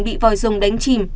bị vòi dòng đánh chìm